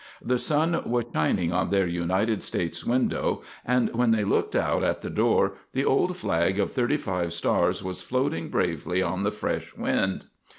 The sun was shining on their United States window, and when they looked out at the door, the old flag of thirty five stars was floating bravely on the fresh wind.